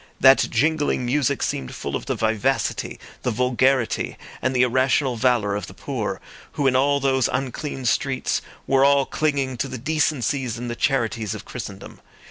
That jingling music seemed full of the vivacity, the vulgarity, and the irrational valour of the poor, who in all those unclean streets were all clinging to the decencies and the charities of Christendom.